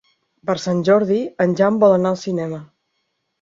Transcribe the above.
Per Sant Jordi en Jan vol anar al cinema.